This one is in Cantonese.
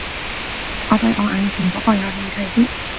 我對我眼前嗰個有興趣啲